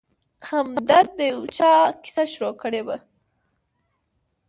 همدرد د یو چا کیسه شروع کړې وه.